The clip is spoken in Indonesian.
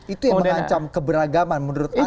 itu yang mengancam keberagaman menurut anda